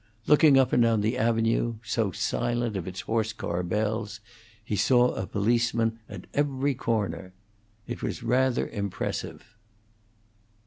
Looking up and down the avenue, so silent of its horse car bells, he saw a policeman at every corner. It was rather impressive.